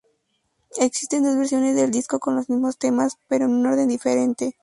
Existen dos versiones del disco con los mismos temas pero en un orden diferente.